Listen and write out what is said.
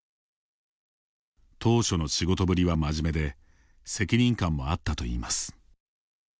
当初の仕事ぶりは真面目で責任感もあったといいます。